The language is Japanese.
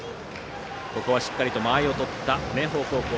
ここはしっかりと間合いを取った明豊高校。